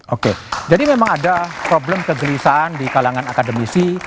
oke jadi memang ada problem kegelisahan di kalangan akademisi